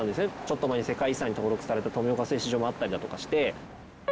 ちょっと前に世界遺産に登録された富岡製糸場もあったりだとかして。